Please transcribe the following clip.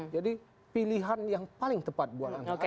jadi pilihan yang paling tepat buat anda